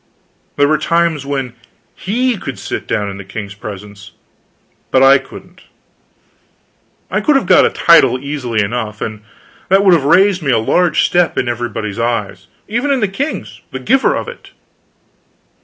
There were times when he could sit down in the king's presence, but I couldn't. I could have got a title easily enough, and that would have raised me a large step in everybody's eyes; even in the king's, the giver of it.